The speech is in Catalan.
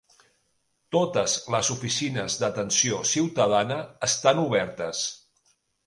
Totes les oficines d'atenció ciutadana estan obertes.